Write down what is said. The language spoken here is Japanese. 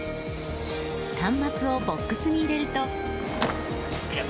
端末をボックスに入れると。